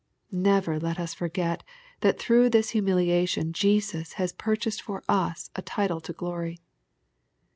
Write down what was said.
Never let us forget that through this humiliation Jesus has purchased for us a title to glory.